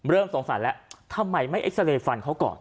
สงสัยแล้วทำไมไม่เอ็กซาเรย์ฟันเขาก่อน